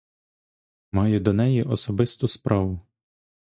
Маю до неї особисту справу.